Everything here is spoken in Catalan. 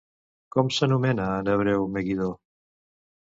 Com s'anomena en hebreu Meguidó?